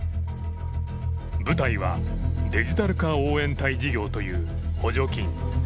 舞台はデジタル化応援隊事業という補助金。